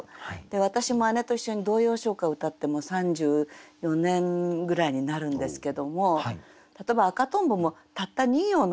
で私も姉と一緒に童謡唱歌歌ってもう３４年ぐらいになるんですけども例えば「赤とんぼ」もたった２行なんですワンコーラス。